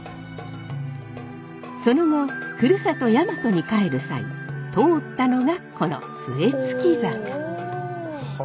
その後ふるさと大和に帰る際通ったのがこの杖衝坂。